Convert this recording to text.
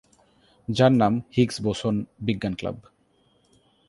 যার নাম "হিগস-বোসন বিজ্ঞান ক্লাব"।